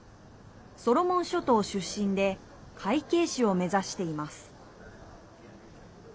ソロモン諸島出身で会計士を目指しています。